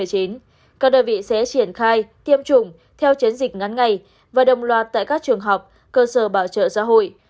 các đơn vị sẽ triển khai tiêm chủng theo chiến dịch ngắn ngày và đồng loạt tại các trường học cơ sở bảo trợ xã hội